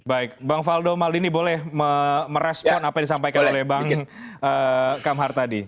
baik bang faldo maldini boleh merespon apa yang disampaikan oleh bang kamhar tadi